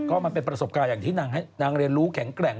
ก็ว่ามันเป็นประสบความที่ให้ทีนางรู้แข็งแขลง